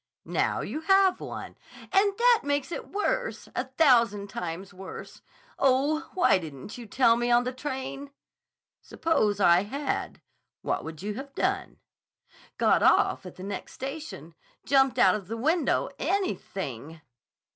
"Now you have one—" "And that makes it worse! A thousand times worse. Oh, why didn't you tell me on the train?" "Suppose I had. What would you have done?" "Got off at the next station. Jumped out of the window. Anything!"